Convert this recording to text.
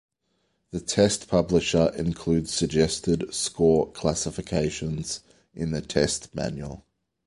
The test publisher includes suggested score classifications in the test manual.